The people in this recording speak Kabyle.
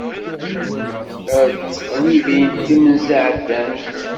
Ar teqlibin, timenza ɛeddant.